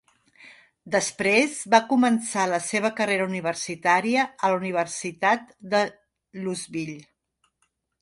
Després va començar la seva carrera universitària a la Universitat de Louisville.